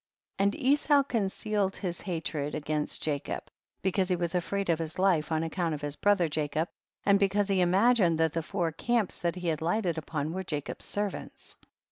40. And Esau concealed his lia tred against Jacob, because he was afraid of his life on account of his brother Jacob, and because he ima gined that the four camps that he had lighted upon were Jacob's ser vants.